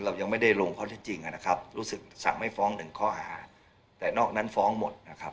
เรายังไม่ได้ลงข้อที่จริงนะครับรู้สึกสั่งไม่ฟ้องหนึ่งข้อหาแต่นอกนั้นฟ้องหมดนะครับ